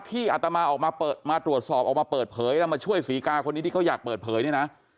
อัตมาออกมาเปิดมาตรวจสอบออกมาเปิดเผยแล้วมาช่วยศรีกาคนนี้ที่เขาอยากเปิดเผยเนี่ยนะ